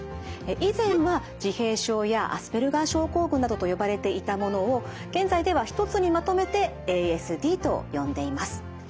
以前は自閉症やアスペルガー症候群などと呼ばれていたものを現在では一つにまとめてＡＳＤと呼んでいます。